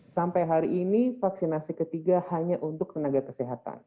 sampai hari ini vaksinasi ketiga hanya untuk tenaga kesehatan